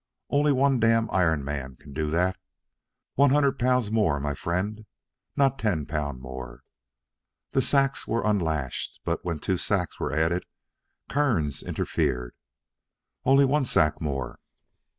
"Only one damn iron man can do dat. One hundred pun' more my frien', not ten poun' more." The sacks were unlashed, but when two sacks were added, Kearns interfered. "Only one sack more."